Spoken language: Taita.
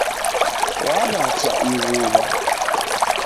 Wwacha ighuwa